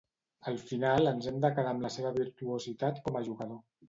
Al final ens hem de quedar amb la seva virtuositat com a jugador.